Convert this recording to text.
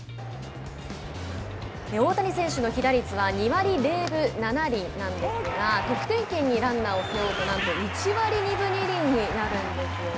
大谷選手の被打率は２割０分７厘なんですが得点圏にランナーを背負うとなんと１割２分２厘になるんですよね。